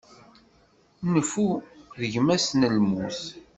Nnfu, d gma-s n lmut.